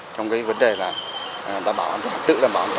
trong cái vấn đề là tự đảm bảo an toàn hậu quả vô tài thôi